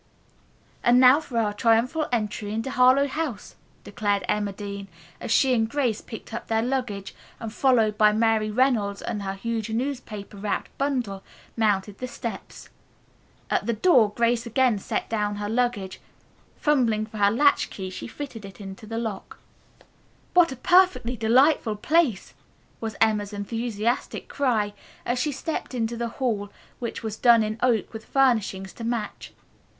"And now for our triumphal entry into Harlowe House," declaimed Emma Dean, as she and Grace picked up their luggage, and, followed by Mary Reynolds and her huge newspaper wrapped bundle, mounted the steps. At the door Grace again set down her luggage. Fumbling for her latch key she fitted it to the lock. "What a perfectly delightful place!" was Emma's enthusiastic cry, as she stepped into the hall which was done in oak with furnishings to match.